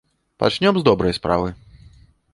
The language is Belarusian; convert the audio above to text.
Пачнём з добрай справы.